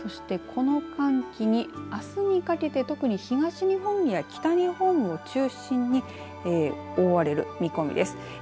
そしてこの寒気にあすにかけて特に東日本や北日本を中心に覆われる見込みです。